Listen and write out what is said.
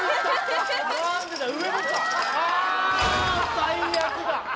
最悪だ。